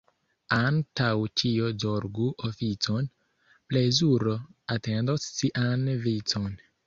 Antaŭ ĉio zorgu oficon, — plezuro atendos sian vicon.